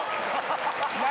何？